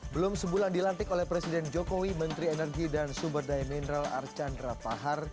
belum sebulan dilantik oleh presiden jokowi menteri energi dan sumber daya mineral archandra pahar